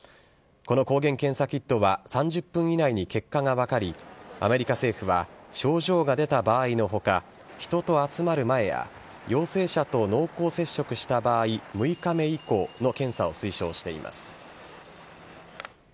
この抗原検査キットは３０分以内に結果が分かり、アメリカ政府は症状が出た場合のほか、人と集まる前や、陽性者と濃厚接触した場合、６日目以降の検査を推奨しています。